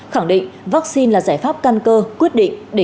khẳng định vaccine là giải pháp căn cơ quyết định